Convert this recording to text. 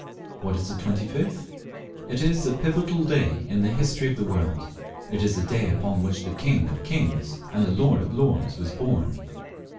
What is the twenty fifth? It is the pivotal day in the history of the world. It is the day upon which the King of Kings and the Lord of Lords was born.